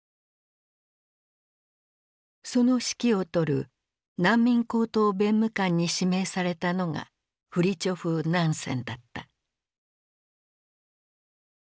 その指揮を執る難民高等弁務官に指名されたのがフリチョフ・ナンセンだった。